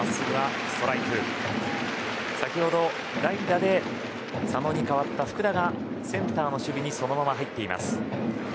先ほど、代打で佐野に代わった福田がセンターの守備にそのまま入っています。